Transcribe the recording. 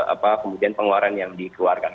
apa kemudian pengeluaran yang dikeluarkan